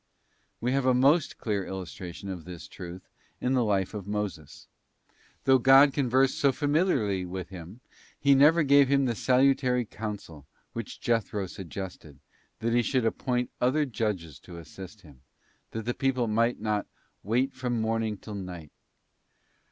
We have a most clear illustration of this truth in the life of Moses. Though God conversed so familiarly with him, He never gave him the salutary~counsel which Jethro sug gested, that he should appoint other judges to assist him, that the people might not ' wait from morning till night.